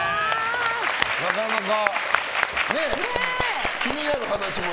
なかなか気になる話も。